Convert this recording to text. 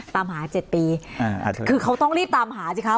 ตามหา๗ปีคือเขาต้องรีบตามหาสิคะ